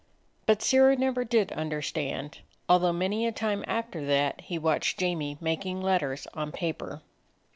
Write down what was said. But Sirrah never did understand, although many a time after that he watched Jamie making letters on paper.